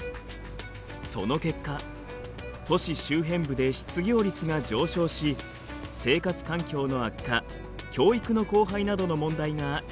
その結果都市周辺部で失業率が上昇し生活環境の悪化教育の荒廃などの問題が深刻化したのです。